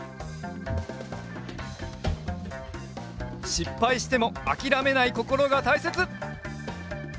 しっぱいしてもあきらめないこころがたいせつ！